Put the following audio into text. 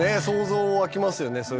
想像湧きますよね